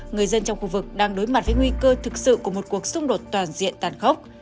người dân trong khu vực đang đối mặt với nguy cơ thực sự của một cuộc xung đột toàn diện tàn khốc